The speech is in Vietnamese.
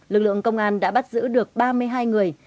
lực lượng công an đã bắt giữ được ba mươi hai người